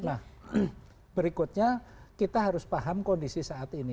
nah berikutnya kita harus paham kondisi saat ini